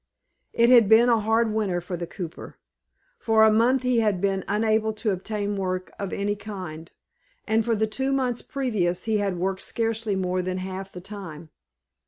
It had been a hard winter for the cooper. For a month he had been unable to obtain work of any kind, and for the two months previous he had worked scarcely more than half the time.